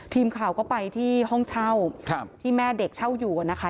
ทีมข่าวก็ไปที่ห้องเช่าที่แม่เด็กเช่าอยู่นะคะ